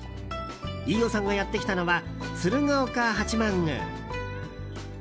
飯尾さんがやってきたのは鶴岡八幡宮。